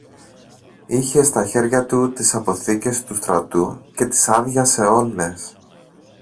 Είχε στα χέρια του τις αποθήκες του στρατού και τις άδειασε όλες.